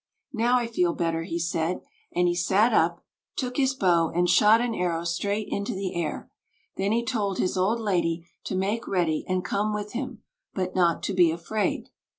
'Now I feel better,' he said; and he sat up, took his bow and shot an arrow straight into the air. Then he told his old lady to make ready and come with him, but not to be afraid.